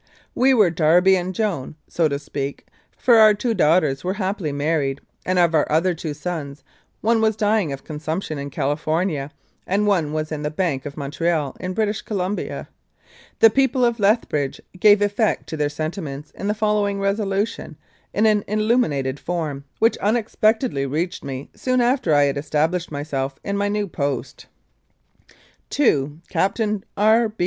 We were Darby and Joan, so to speak, for our two daughters were happily married, and, of our other two sons, one was dying of consumption in California, and one was in the Bank of Montreal in British Columbia. The people of Lethbridge gave effect to their sentiments in the following resolution, in an illuminated form, which unexpectedly reached me soon after I had established myself in my new post : "To "CAPTAIN R.